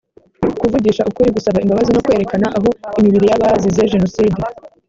kuvugisha ukuri gusaba imbabazi no kwerekana aho imibiri y abazize jenoside